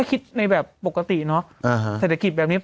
ขึ้นอีกแล้วนะ